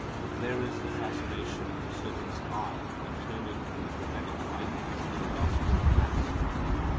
There is the fascination of a serpent's eye in turning from the prophetic writings to the Gospel of Matthew.